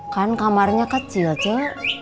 kan kamarnya kecil cek